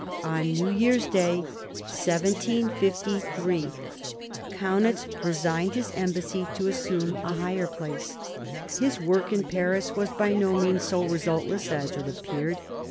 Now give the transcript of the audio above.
On New Year's Day of 1753 Kaunitz resigned his embassy to assume a higher place. His work in Paris was by no means so resultless as it appeared.